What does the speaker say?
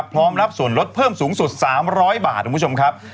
พร้อมรับส่วนรถเพิ่มสูงสุด๓๐๐บาททุกผู้ชมครับ